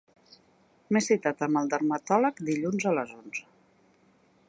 M'he citat amb el dermatòleg dilluns a les onze.